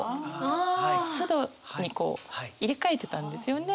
簾戸に入れ替えてたんですよね。